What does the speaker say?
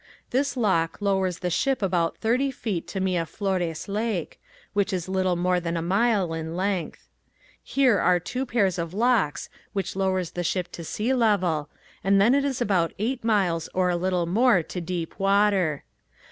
This lock lowers the ship about thirty feet to Miraflores Lake, which is a little more than a mile in length. Here are two pairs of locks which lowers the ship to sea level and then it is about eight miles or a little more to deep water.